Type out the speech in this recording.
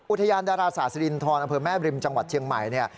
อุทยานดาราศาสรินทรอำเภอแม่บริมจังหวัดเชียงใหม่เนี่ย